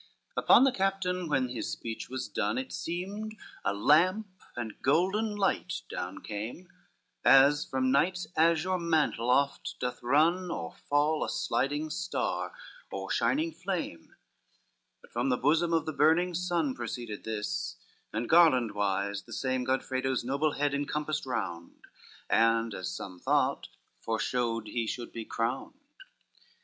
XX Upon the captain, when his speech was done, It seemed a lamp and golden light down came, As from night's azure mantle oft doth run Or fall, a sliding star, or shining flame; But from the bosom of the burning sun Proceeded this, and garland wise the same Godfredo's noble head encompassed round, And, as some thought, foreshowed he should be crowned.